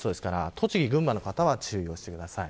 栃木、群馬の方は注意してください。